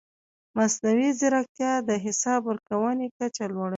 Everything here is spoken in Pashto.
مصنوعي ځیرکتیا د حساب ورکونې کچه لوړوي.